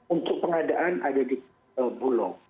untuk pengadaan ada di bulog